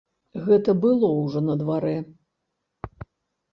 Гэта было ўжо на дварэ.